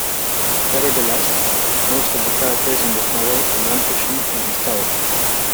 Nevertheless, most of the characters in this novel are nonfiction and historic.